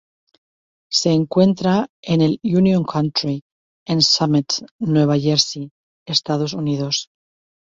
Se encuentra en el Union County, en Summit, Nueva Jersey, Estados Unidos.